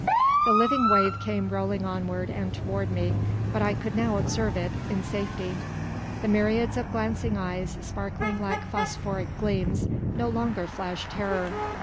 The living wave came rolling onward and toward me; but I could now observe it in safety. The myriads of glancing eyes, sparkling like phosphoric gleams, no longer flashed terror.